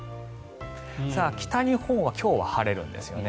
北日本は今日は晴れるんですよね。